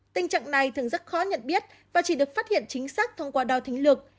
tình trạng này thường rất khó nhận biết và chỉ được phát hiện chính xác thông qua đo thính lược